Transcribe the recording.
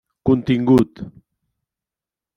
Contingut: